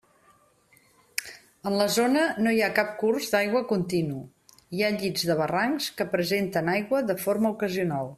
En la zona no hi ha cap curs d'aigua continu, hi ha llits de barrancs que presenten aigua de forma ocasional.